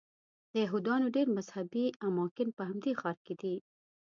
د یهودانو ډېر مذهبي اماکن په همدې ښار کې دي.